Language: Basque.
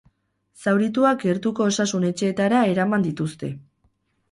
Zaurituak gertuko osasun-etxeetara eraman dituzte.